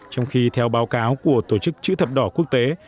trong khi theo báo cáo của tổ chức chữ thập đỏ quốc tế